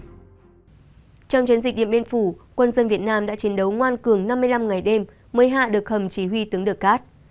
trong chiến dịch điểm bên phủ quân dân việt nam đã chiến đấu ngoan cường năm mươi năm ngày đêm mới hạ được hầm chỉ huy tướng được cát